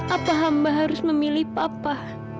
apa hamba harus memilih papa